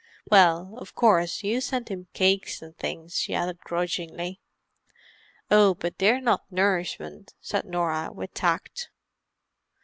Well, of course, you send 'im cakes an' things," she added grudgingly. "Oh, but they're not nourishment," said Norah with tact.